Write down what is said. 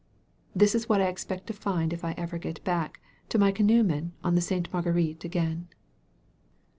That is what I expect to find if I ever get back to my canoemen on the Sainie Marguerite again.